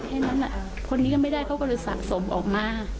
แค่นั้นคนนี้ก็ไม่ได้เขาก็เลยสะสมออกมา